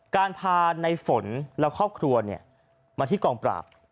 การพาในฝนและครอบครัวมาที่กองปราบ